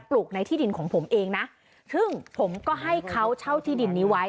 ลูกในที่ดินของผมเองนะซึ่งผมก็ให้เขาเช่าที่ดินนี้ไว้